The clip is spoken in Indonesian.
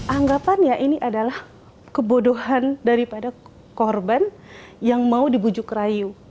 anggapannya ini adalah kebodohan daripada korban yang mau dibujuk rayu